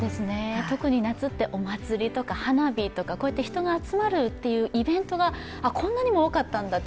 特に夏ってお祭りとか花火とかこうやって人が集まるというイベントがこんなにも多かったんだって